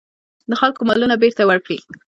د خلکو مالونه بېرته ورکړي.